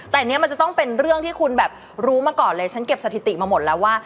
แต่อันนี้มันจะต้องเป็นเรื่องที่คุณแบบรู้มาก่อนเลยฉันเก็บสถิติมาหมดแล้วว่า